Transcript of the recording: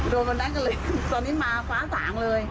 วันนั้นก็เลยตอนนี้มาฟ้าสางเลย